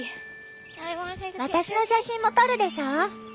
私の写真も撮るでしょ？